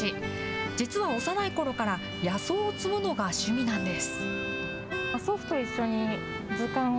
実は幼いころから野草を摘むのが趣味なんです。